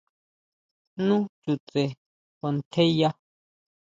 Nu chutse kuantjeya.